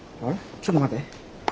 ちょっと待て。